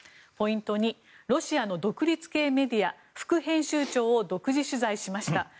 ポイント２ロシアの独立系メディア副編集長を独自取材しました。